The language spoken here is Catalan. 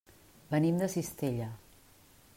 Venim de Cistella.